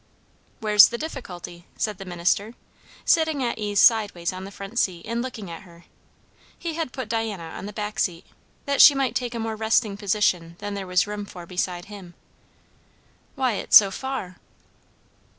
"Where's the difficulty?" said the minister, sitting at ease sideways on the front seat and looking in at her. He had put Diana on the back seat, that she might take a more resting position than there was room for beside him. "Why, it's so far."